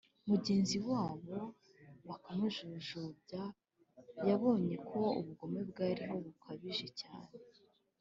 mugenzi wabo bakamujujubya Yabonye ko ubugome bwariho bukabije cyane